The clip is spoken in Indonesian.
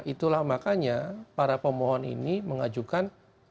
itulah makanya para pemohon ini mengajukan